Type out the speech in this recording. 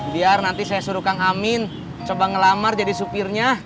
biar nanti saya suruh kang amin coba ngelamar jadi supirnya